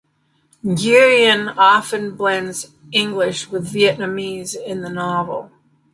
Nguyen often blends English with Vietnamese in the novel.